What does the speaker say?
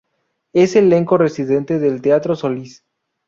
Es elenco residente del Teatro Solís.